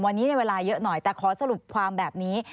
วันนี้ในเวลาเยอะหน่อยแต่ขอสรุปความแบบนี้